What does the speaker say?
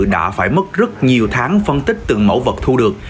đã phải mất rất nhiều tháng phân tích từng mẫu vật thu được